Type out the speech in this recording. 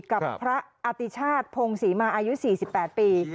กับพระอติชาติพงศรีมาอายุ๔๘ปี